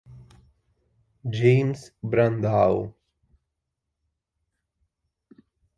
James Brandau.